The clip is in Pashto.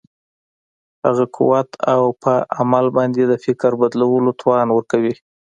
هغه قوت او پر عمل باندې د فکر بدلولو توان ورکوي.